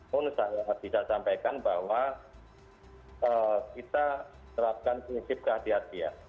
pun saya tidak sampaikan bahwa kita terapkan prinsip ke hati hatian